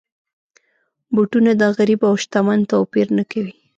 بوټونه د غریب او شتمن توپیر نه کوي.